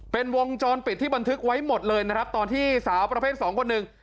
เป็นวงจรปิดที่บันทึกไว้หมดเลยนะครับตอนที่สาวประเภทสองคนหนึ่ง